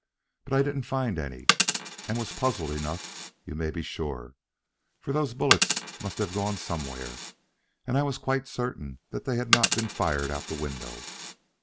But I didn't find any, and was puzzled enough you may be sure, for those bullets must have gone somewhere and I was quite certain that they had not been fired out of the window.